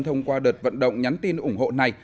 thông qua đợt vận động nhắn tin ủng hộ này